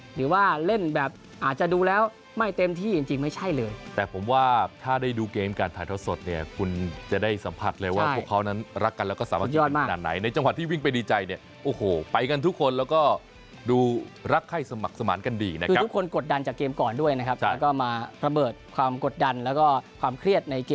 หรือว่าเล่นแบบอาจจะดูแล้วไม่เต็มที่จริงไม่ใช่เลยแต่ผมว่าถ้าได้ดูการ